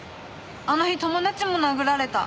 あの日友達も殴られた。